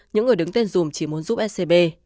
những người đứng tên dùm chỉ muốn giúp scb